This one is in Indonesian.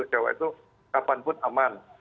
jawa itu kapanpun aman